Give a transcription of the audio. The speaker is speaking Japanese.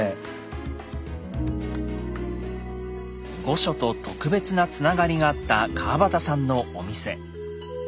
御所と特別なつながりがあった川端さんのお店。